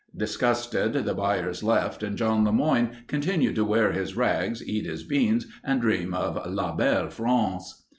Disgusted, the buyers left and John LeMoyne continued to wear his rags, eat his beans, and dream of La Belle France.